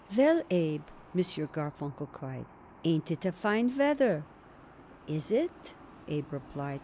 "Well, Abe," M. Garfunkel cried, "ain't it a fine weather?" "Is it?" Abe replied.